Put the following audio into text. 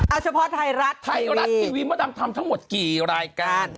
อ่าเฉพาะไทรัศน์ทีวีมาทำทั้งหมดกี่รายการ